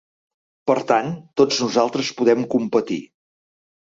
Per tant, tots nosaltres podem competir.